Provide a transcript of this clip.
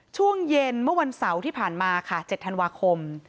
ช่วงเย็นเมื่อวันเสาร์ที่ผ่านมาค่ะ๗ธันวาคม